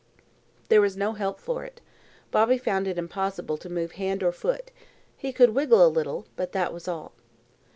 There was no help for it. Bobby found it impossible to move hand or foot. He could wriggle a little, but that was all.